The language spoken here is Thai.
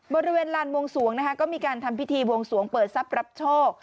บริเวณลานวงสวงนะคะก็มีการทำพิธีบวงสวงเปิดทรัพย์รับโชค